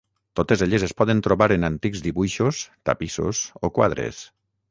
Totes elles es poden trobar en antics dibuixos, tapissos o quadres.